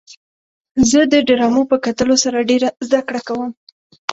زه د ډرامو په کتلو سره ډېره زدهکړه کوم.